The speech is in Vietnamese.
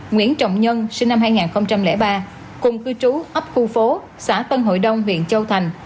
nguyễn trọng nhân sinh năm hai nghìn ba cùng cư trú ấp khu phố xã tân hội đông huyện châu thành